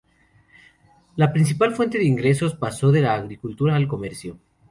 La principal fuente de ingresos pasó de la agricultura al comercio.